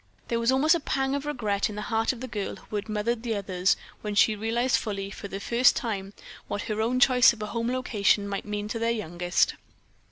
There was almost a pang of regret in the heart of the girl who had mothered the others when she realized fully, for the first time, what her own choice of a home location might mean to their youngest.